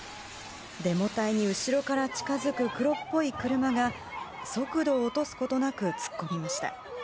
デモ隊に後ろから近づく黒っぽい車が速度を落とすことなく突っ込みました。